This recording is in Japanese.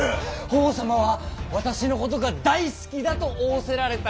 法皇様は私のことが大好きだと仰せられた。